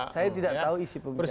saya tidak tahu isi pemikiran